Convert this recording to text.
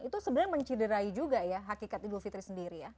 itu sebenarnya menciderai juga ya hakikat idul fitri sendiri ya